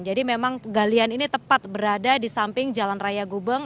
jadi memang galian ini tepat berada di samping jalan raya gubeng